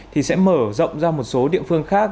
thì sẽ mở rộng ra một số địa phương khác